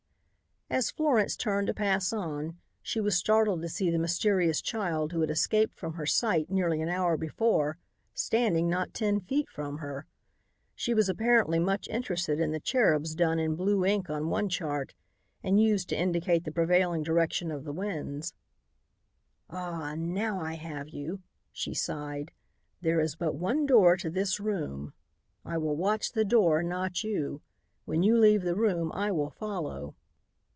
As Florence turned to pass on, she was startled to see the mysterious child who had escaped from her sight nearly an hour before, standing not ten feet from her. She was apparently much interested in the cherubs done in blue ink on one chart and used to indicate the prevailing direction of the winds. "Ah, now I have you!" she sighed. "There is but one door to this room. I will watch the door, not you. When you leave the room, I will follow."